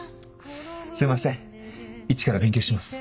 すいませんいちから勉強します。